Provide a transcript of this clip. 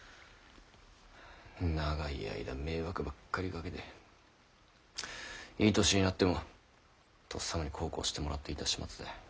長い間迷惑ばっかりかけていい年になってもとっさまに孝行してもらっていた始末だ。